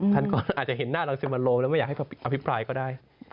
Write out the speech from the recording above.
ท่านก็อาจจะเห็นหน้ารังสิมันโรมแล้วไม่อยากให้อภิปรายก็ได้